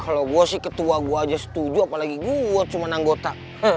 kalau gue sih ketua gua aja setuju apalagi gue cuma anggota